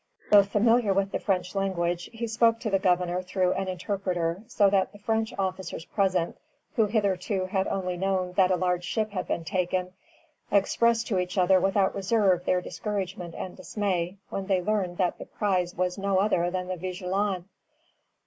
Though familiar with the French language, he spoke to the Governor through an interpreter, so that the French officers present, who hitherto had only known that a large ship had been taken, expressed to each other without reserve their discouragement and dismay when they learned that the prize was no other than the "Vigilant".